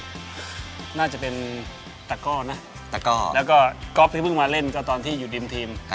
อเจมส์น่าจะเป็นตะก้อนะแล้วก็กอล์ฟที่เพิ่งมาเล่นก็ตอนที่อยู่ดิมทีม